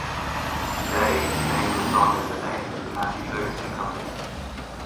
Today his name lives on in the name of the Massey Ferguson company.